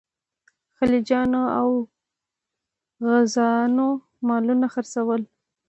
خلجیانو او غوزانو مالونه څرول.